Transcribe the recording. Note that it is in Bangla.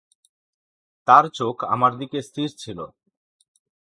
তার চোখ আমার দিকে স্থির ছিল।